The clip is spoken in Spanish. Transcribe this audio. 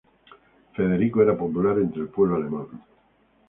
Federico era popular entre el pueblo alemán.